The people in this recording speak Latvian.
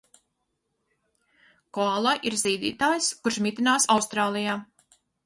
Koala ir zīdītājs, kurš mitinās Austrālijā.